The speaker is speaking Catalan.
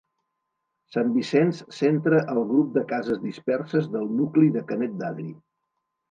Sant Vicenç centra el grup de cases disperses del nucli de Canet d'Adri.